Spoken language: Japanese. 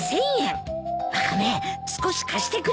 ワカメ少し貸してくれないか？